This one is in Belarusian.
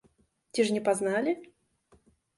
Ці ж не пазналі?